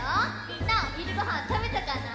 みんなおひるごはんたべたかな？